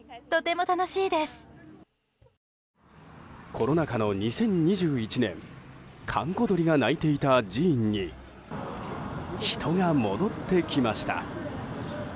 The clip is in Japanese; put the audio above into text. コロナ禍の２０２１年閑古鳥が鳴いていた寺院に人が戻ってきました。